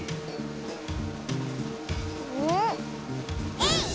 えい！